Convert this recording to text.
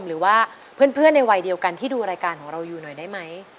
หรือว่าเพื่อนในวัยเดียวกันที่ดูรายการของเราอยู่หน่อยได้ไหม